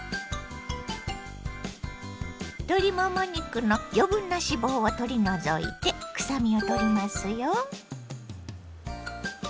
鶏もも肉の余分な脂肪を取り除いて臭みをとりますよ。